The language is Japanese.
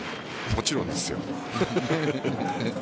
もちろんですよ。